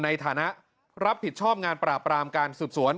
ในฐานะรับผิดชอบงานปราบรามการสืบสวน